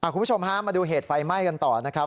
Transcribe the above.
คุณผู้ชมฮะมาดูเหตุไฟไหม้กันต่อนะครับ